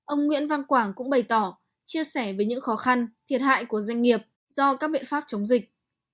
ông nguyễn văn quảng cũng bày tỏ chia sẻ về những khó khăn thiệt hại của doanh nghiệp do các biện pháp chống dịch